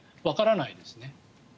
わからないですね。